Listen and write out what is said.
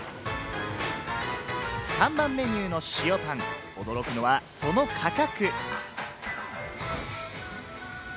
看板メニューの塩パン、驚くのはその価格。